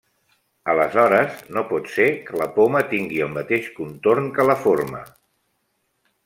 Aleshores, no pot ser que la poma tingui el mateix contorn que la forma.